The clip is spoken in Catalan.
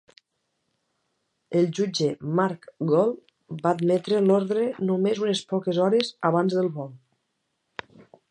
El jutge Marc Gold va admetre l"ordre només unes poques hores abans del vol.